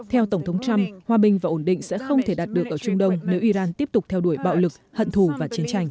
theo tổng thống trump hòa bình và ổn định sẽ không thể đạt được ở trung đông nếu iran tiếp tục theo đuổi bạo lực hận thù và chiến tranh